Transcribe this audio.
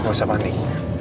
gak usah manik